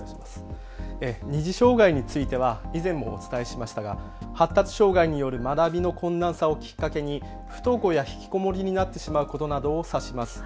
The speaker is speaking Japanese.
二次障害については以前もお伝えしましたが発達障害による学びの困難さをきっかけに不登校や引きこもりになってしまうことなどを指します。